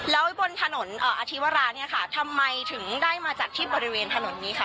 แล้วบนถนนอธิวราเนี่ยค่ะทำไมถึงได้มาจากที่บริเวณถนนนี้คะ